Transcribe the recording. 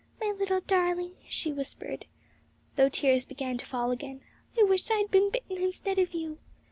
'My little darling,' she whispered, though tears began to fall again; 'I wish I had been bitten instead of you!'